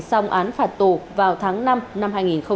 xong án phạt tù vào tháng năm năm hai nghìn hai mươi